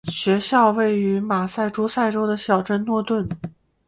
学校位于马萨诸塞州的小镇诺顿。